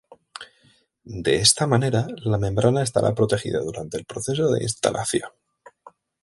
De esta manera, la membrana estará protegida durante el proceso de instalación.